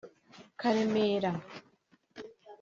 Karemera